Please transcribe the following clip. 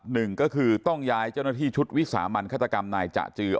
หนึ่งก็คือต้องย้ายเจ้าหน้าที่ชุดวิสามันฆาตกรรมนายจะจือ